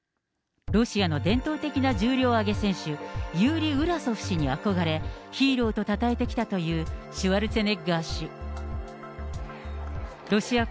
ロシアの伝統的な重量挙げ選手、ユーリ・ウラソフ氏に憧れ、ヒーローとたたえてきたというシュワルツェネッガー氏。